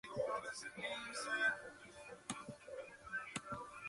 J:Nivel Junior